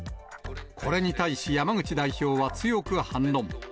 これに対し、山口代表は強く反論。